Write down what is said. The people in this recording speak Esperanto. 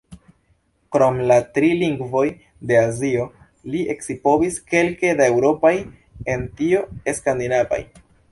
Krom la tri lingvoj de Azio li scipovis kelke da eŭropaj, en tio skandinavaj.